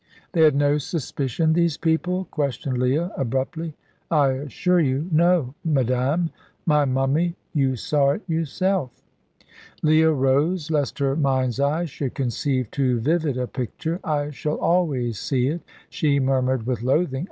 "They had no suspicion these people?" questioned Leah, abruptly. "I assure you, no, madame. My mummy, you saw it, yourself." Leah rose, lest her mind's eye should conceive too vivid a picture. "I shall always see it," she murmured, with loathing.